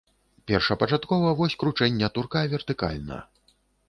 Першапачаткова вось кручэння турка вертыкальна.